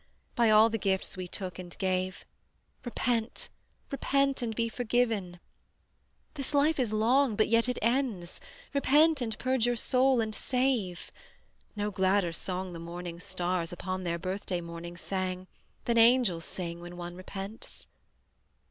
By all the gifts we took and gave, Repent, repent, and be forgiven: This life is long, but yet it ends; Repent and purge your soul and save: No gladder song the morning stars Upon their birthday morning sang Than Angels sing when one repents.